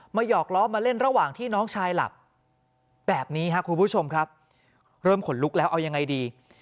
หยอกล้อมาเล่นระหว่างที่น้องชายหลับแบบนี้ครับคุณผู้ชมครับเริ่มขนลุกแล้วเอายังไงดี